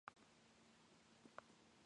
あなたは地球人です